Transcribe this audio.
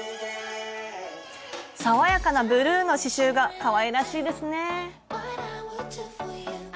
さわやかなブルーの刺しゅうがかわいらしいですね。